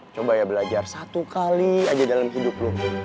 coba ya belajar satu kali aja dalam hidup